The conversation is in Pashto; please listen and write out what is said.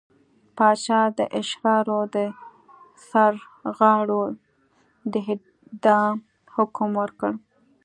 پاچا د اشرارو د سرغاړو د اعدام حکم ورکړ.